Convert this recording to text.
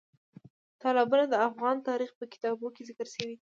تالابونه د افغان تاریخ په کتابونو کې ذکر شوي دي.